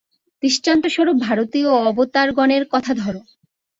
দৃষ্টান্তস্বরূপ ভারতীয় অবতারগণের কথা ধর।